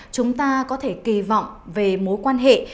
chúng ta có thể kỳ vọng về mối quan hệ